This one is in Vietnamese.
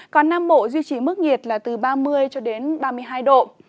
còn nam bộ duy trì mức nhiệt là từ ba mươi ba mươi hai độ